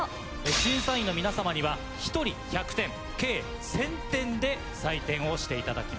審査員の皆様には１人１００点計１０００点で採点をしていただきます。